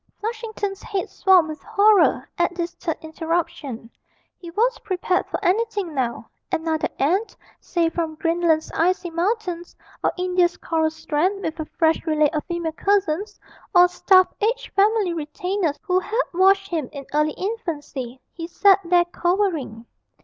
Flushington's head swam with horror at this third interruption; he was prepared for anything now another aunt, say from Greenland's icy mountains, or India's coral strand, with a fresh relay of female cousins, or a staff of aged family retainers who had washed him in early infancy: he sat there cowering.